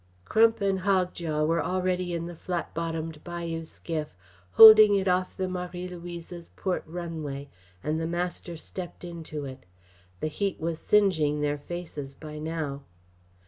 Crump and Hogjaw were already in the flat bottomed bayou skiff, holding it off the Marie Louise's port runway, and the master stepped into it. The heat was singeing their faces by now.